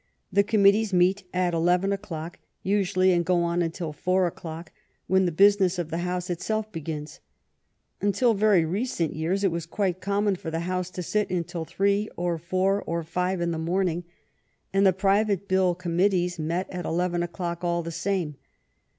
The committees meet at eleven o'clock, usually, and go on until four o'clock, when the business of the House itself begins. Until very recent years it was quite common for the House to sit until three or four or five in the morning, and the Private 58 THE STORY OF GLADSTONE'S LIFE Bill Committees met at eleven o'clock all the same.